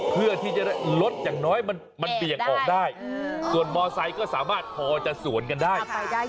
เพื่อที่จะลดอย่างน้อยมันเบี่ยงออกได้